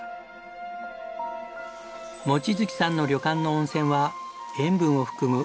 望月さんの旅館の温泉は塩分を含む